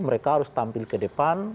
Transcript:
mereka harus tampil ke depan